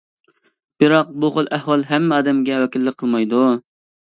بىراق بۇ خىل ئەھۋال ھەممە ئادەمگە ۋەكىللىك قىلمايدۇ.